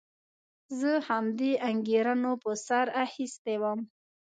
زه همدې انګېرنو په سر اخیستی وم.